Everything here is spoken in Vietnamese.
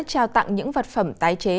trao tặng những vật phẩm tái chế